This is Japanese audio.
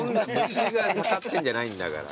虫がたかってんじゃないんだから。